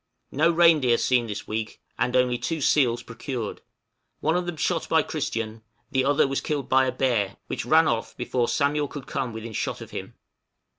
No reindeer seen this week, and only two seals procured; one of them shot by Christian, the other was killed by a bear, which ran off before Samuel could come within shot of him.